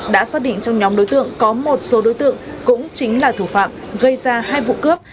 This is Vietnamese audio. đã xác định trong nhóm đối tượng có một số đối tượng cũng chính là thủ phạm gây ra hai vụ cướp